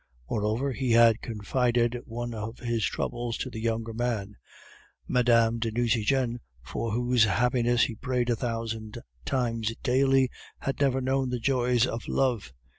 Moreover, he had confided one of his troubles to the younger man. Mme. de Nucingen, for whose happiness he prayed a thousand times daily, had never known the joys of love.